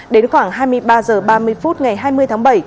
đến khoảng hai mươi ba h ba mươi phút ngày hai mươi tháng bảy